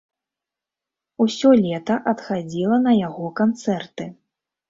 Усё лета адхадзіла на яго канцэрты.